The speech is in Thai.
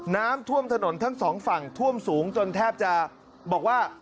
น้ำท่วมถนนทั้งสองฝั่งท่วมสูงจนแทบจะบอกว่า